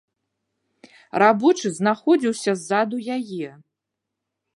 Рабочы знаходзіўся ззаду яе.